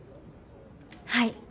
はい。